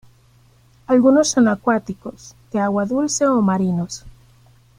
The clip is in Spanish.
Algunos son acuáticos, de agua dulce o marinos.